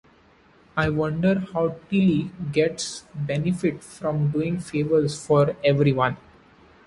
I wonder how Tilly gets benefits from doing favours for everyone.